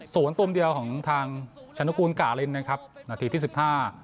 ส่วนตุ่มเดียวของทางชนุกูลกาลินนะครับนาทีที่สิบห้า